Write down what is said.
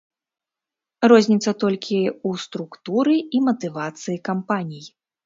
Розніца толькі ў структуры і матывацыі кампаній.